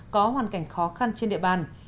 có hoàn cảnh khó khăn trên địa bàn